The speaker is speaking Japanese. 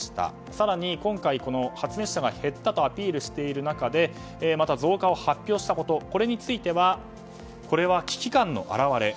更に今回、発熱者が減ったとアピールした中でまた増加を発表したことこれについては危機感の表れ。